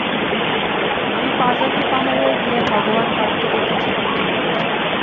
আমি পাজানি পাহাড়ে গিয়ে ভগবান কার্তিকের কাছে প্রার্থনা করব।